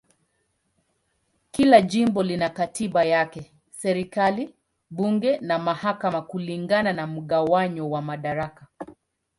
Kila jimbo lina katiba yake, serikali, bunge na mahakama kulingana na mgawanyo wa madaraka.